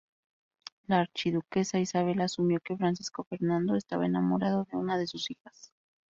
La archiduquesa Isabel asumió que Francisco Fernando estaba enamorado de una de sus hijas.